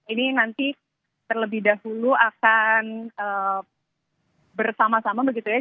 ini nanti terlebih dahulu akan bersama sama begitu ya